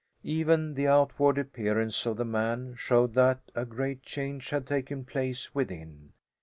Even the outward appearance of the man showed that a great change had taken place within.